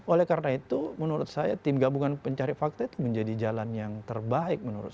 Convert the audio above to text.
oleh karena itu menurut saya tim gabungan pencari fakta itu menjadi jalan yang terbaik menurut saya